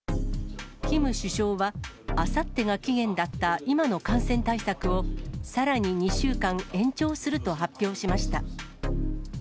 キム首相は、あさってが期限だった今の感染対策を、さらに２週間延長すると発表しました。